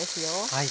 はい。